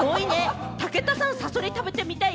武田さん、サソリ食べてみたい？